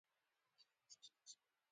د روم خلکو په سړک جوړونه کې خاص مهارت درلود